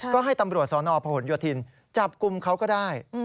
ก็ให้ตำรวจสนพหนโยธินจับกลุ่มเขาก็ได้